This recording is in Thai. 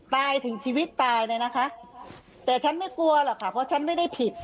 ถึงชีวิตตายเลยนะคะแต่ฉันไม่กลัวหรอกค่ะเพราะฉันไม่ได้ผิด